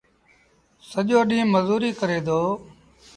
سڄو ڏيٚݩهݩ مزوريٚ ڪري دو۔